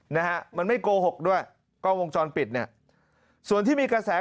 นะฮะมันไม่โกหกด้วยกล้องวงจรปิดเนี่ยส่วนที่มีกระแส